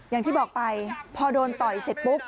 อย่างที่บอกไปพอโดนต่อยเสร็จปุ๊บ